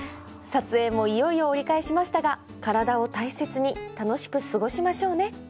撮影もいよいよ折り返しましたが体を大切に楽しく過ごしましょうね。